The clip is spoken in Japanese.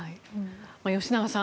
吉永さん